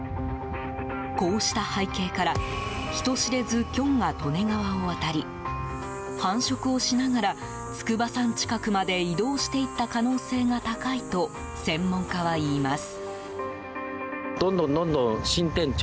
こうした背景から人知れずキョンが利根川を渡り繁殖をしながら、筑波山近くまで移動していった可能性が高いと専門家はいいます。